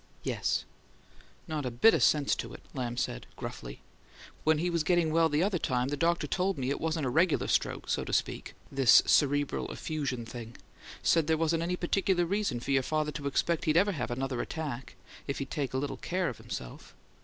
"Yes." "Not a bit of sense to it!" Lamb said, gruffly. "When he was getting well the other time the doctor told me it wasn't a regular stroke, so to speak this 'cerebral effusion' thing. Said there wasn't any particular reason for your father to expect he'd ever have another attack, if he'd take a little care of himself.